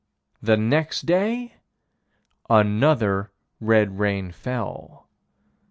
The next day another red rain fell.